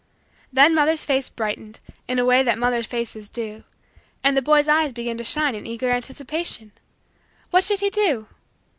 Then mother's face brightened, in a way that mother faces do, and the boy's eyes began to shine in eager anticipation. What should he do?